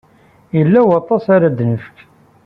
Yella waṭas ara d-nefk.